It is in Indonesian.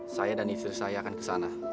saya dan istri saya akan kesana